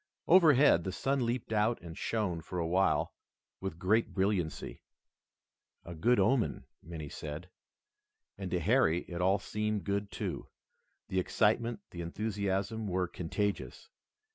Overhead, the sun leaped out and shone for a while with great brilliancy. "A good omen," many said. And to Harry it all seemed good, too. The excitement, the enthusiasm were contagious.